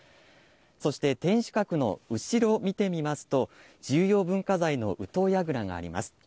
そして天守閣の後ろ見てみますと、重要文化財の宇土櫓があります。